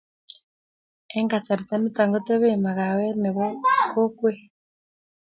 eng kasrta nitok ko tebee makawet nebo kokwet